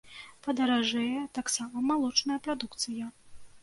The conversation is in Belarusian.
Падаражэе таксама малочная прадукцыя.